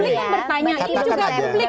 publik yang bertanya ini juga publik